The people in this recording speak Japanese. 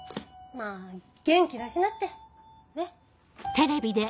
まぁ元気出しなってねっ。